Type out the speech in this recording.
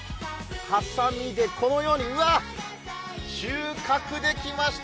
はさみでこのようにうわっ、収穫できました。